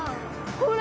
ほら！